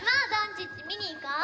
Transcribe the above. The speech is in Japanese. ちっちみにいこう！